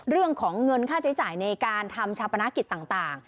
เรื่องของเงินค่าใช้จ่ายในการทำชาปนกิจต่าง